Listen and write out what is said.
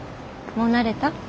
もう慣れた？